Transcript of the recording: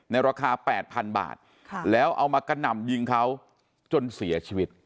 ราคา๘๐๐๐บาทแล้วเอามากระหน่ำยิงเขาจนเสียชีวิต